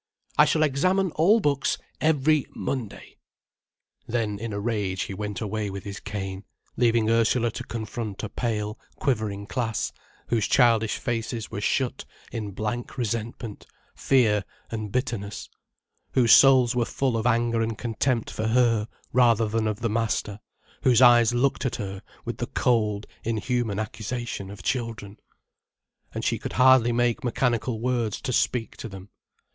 I shall examine all books every Monday——" Then in a rage, he went away with his cane, leaving Ursula to confront a pale, quivering class, whose childish faces were shut in blank resentment, fear, and bitterness, whose souls were full of anger and contempt for her rather than of the master, whose eyes looked at her with the cold, inhuman accusation of children. And she could hardly make mechanical words to speak to them.